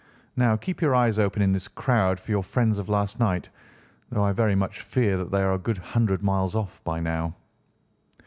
Now keep your eyes open in this crowd for your friends of last night, though I very much fear that they are a good hundred miles off by now."